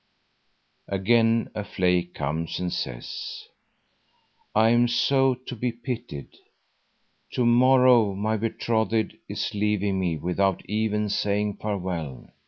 Again a flake comes and says: "I am so to be pitied. To morrow my betrothed is leaving me without even saying farewell.